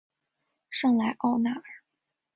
圣莱奥纳尔。